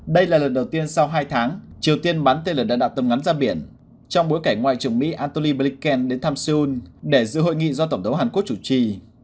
đây là lần đầu tiên sau hai tháng triều tiên bắn tên lửa đạn đạo tầm ngắn ra biển trong bối cảnh ngoại trưởng mỹ antony blikken đến thăm seoul để dự hội nghị do tổng thống hàn quốc chủ trì